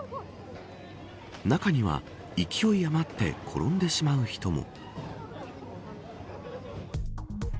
中には勢い余って転んでしまう人も。